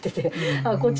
ああこっち